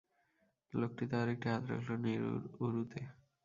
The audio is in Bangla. লোকটি তার একটি হাত রাখল নীলুর উরুতে।